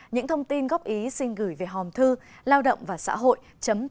những thông tin góp ý xin gửi về hòm thư laodocvasahoi thnda gmail com